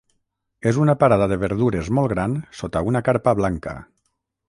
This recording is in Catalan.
És una parada de verdures molt gran sota una carpa blanca.